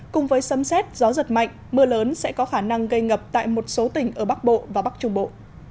cùng với sấm xét gió giật mạnh mưa lớn sẽ có khả năng gây ngập tại một số tỉnh ở bắc bộ và bắc trung bộ